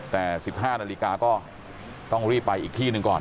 แต่๑๕นาฬิกาก็ต้องรีบไปอีกที่หนึ่งก่อน